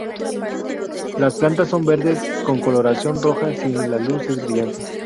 Las plantas son verdes, con coloración roja si la luz es brillante.